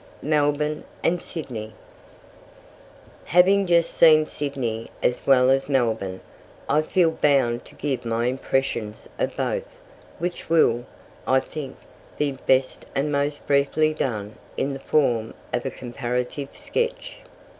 MELBOURNE AND SYDNEY. Having just seen Sydney as well as Melbourne, I feel bound to give my impressions of both, which will, I think, be best and most briefly done in the form of a comparative sketch.